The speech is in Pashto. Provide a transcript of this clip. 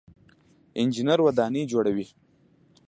انجنیر ودانۍ جوړوي.